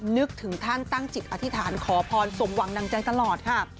นึกถึงท่านตั้งจิตอธิษฐานขอพรสมหวังดังใจตลอดค่ะ